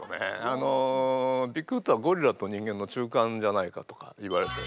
あのビッグフットはゴリラと人間の中間じゃないかとかいわれて。